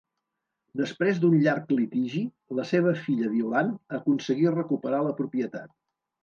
Després d'un llarg litigi, la seva filla Violant aconseguí recuperar la propietat.